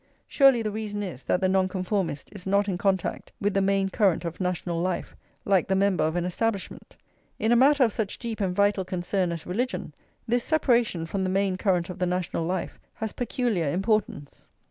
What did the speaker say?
Surely the reason is, that the Nonconformist is not in contact with the main current of national life, like the member of an Establishment. In a matter of such deep and vital concern as religion, this separation from the main current of the national life has [xxii] peculiar importance.